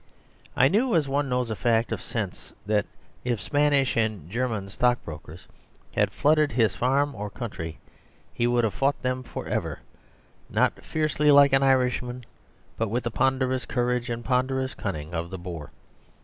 I knew as one knows a fact of sense that if Spanish and German stockbrokers had flooded his farm or country he would have fought them for ever, not fiercely like an Irishman, but with the ponderous courage and ponderous cunning of the Boer.